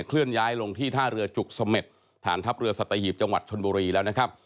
เลื่อนย้ายลงที่ท่าเรือจุกเสม็ดฐานทัพเรือสัตหีบจังหวัดชนบุรีแล้วนะครับ